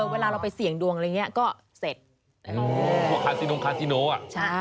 เวลาเราไปเสี่ยงดวงอะไรอย่างนี้ก็เสร็จ